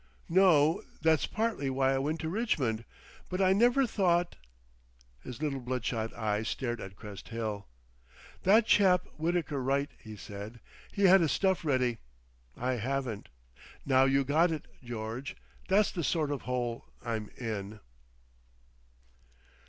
"No. That's partly why I went to Richmond. But I never thought—" His little bloodshot eyes stared at Crest Hill. "That chap Wittaker Wright," he said, "he had his stuff ready. I haven't. Now you got it, George. That's the sort of hole I'm in."